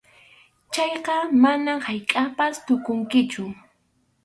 Chayqa manam haykʼappas tukunkichu.